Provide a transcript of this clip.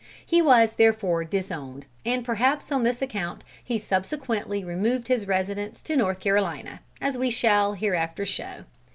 He was therefore disowned, and perhaps on this account, he subsequently removed his residence to North Carolina, as we shall hereafter show.